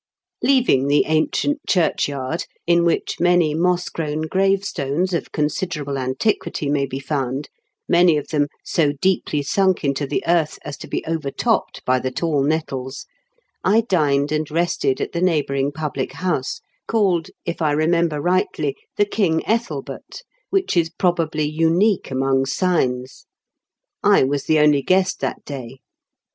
Leaving the ancient churchyard, in which many moss grown gravestones of considerable antiquity may be found, many of them so deeply sunken into the earth as to be over topped by the tall nettles, I dined and rested at the neighbouring public house, called, if I remember rightly, The King Ethelbert, which is probably unique among signs, I was the only guest that day.